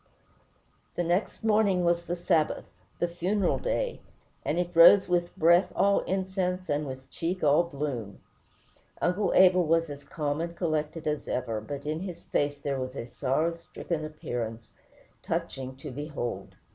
The next morning was the Sabbath, the funeral day, and it rose with "breath all incense and with cheek all bloom." Uncle Abel was as calm and collected as ever; but in his face there was a sorrow stricken appearance touching to behold.